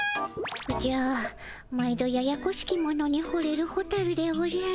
おじゃ毎度ややこしきものにほれるホタルでおじゃる。